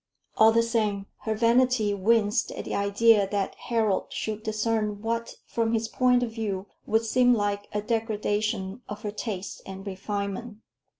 All the same, her vanity winced at the idea that Harold should discern what, from his point of view, would seem like a degradation of her taste and refinement.